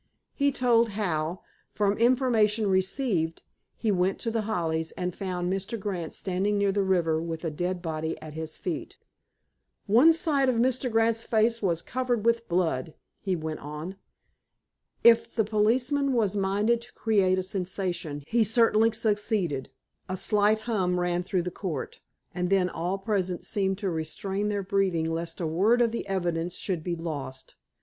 He told how, "from information received," he went to The Hollies, and found Mr. Grant standing near the river with a dead body at his feet. "One side of Mr. Grant's face was covered with blood," he went on. If the policeman was minded to create a sensation, he certainly succeeded. A slight hum ran through the court, and then all present seemed to restrain their breathing lest a word of the evidence should be lost.